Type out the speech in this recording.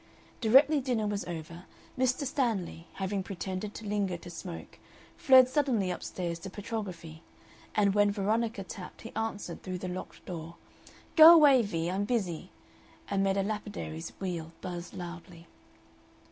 Directly dinner was over Mr. Stanley, having pretended to linger to smoke, fled suddenly up stairs to petrography, and when Veronica tapped he answered through the locked door, "Go away, Vee! I'm busy," and made a lapidary's wheel buzz loudly.